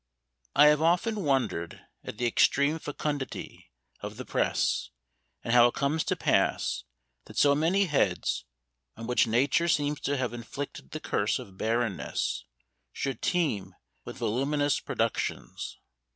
I HAVE often wondered at the extreme fecundity of the press, and how it comes to pass that so many heads, on which Nature seems to have inflicted the curse of barrenness, should teem with voluminous productions.